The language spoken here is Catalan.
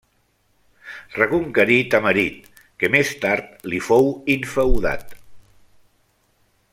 Reconquerí Tamarit, que més tard li fou infeudat.